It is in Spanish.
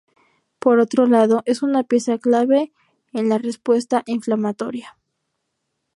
Por otro lado, es una pieza clave en la respuesta inflamatoria.